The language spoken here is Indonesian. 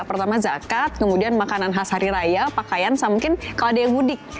pertama zakat kemudian makanan khas hari raya pakaian sama mungkin kode budik